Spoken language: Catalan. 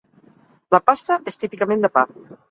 La pasta és típicament de pa.